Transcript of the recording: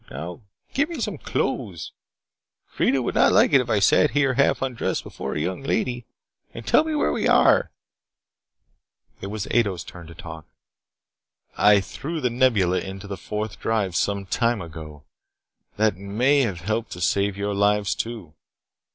Now, get me some clothes. Freida would not like it if I sat here half undressed before a young lady. And tell me where we are?" It was Ato's turn to talk. "I threw The Nebula into the Fourth Drive some time ago. That may have helped to save your lives too.